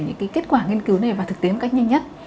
những cái kết quả nghiên cứu này vào thực tế một cách nhanh nhất